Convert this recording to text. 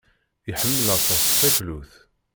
Iḥemmel aṭas taklut.